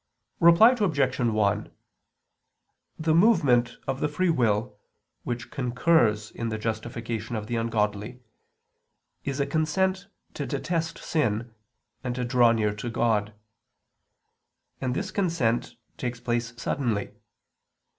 Reply Obj. 1: The movement of the free will, which concurs in the justification of the ungodly, is a consent to detest sin, and to draw near to God; and this consent takes place suddenly.